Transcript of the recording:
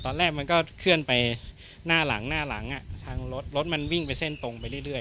ตอนแรกมันก็เคลื่อนไปหน้าหลังหน้าหลังทางรถรถมันวิ่งไปเส้นตรงไปเรื่อย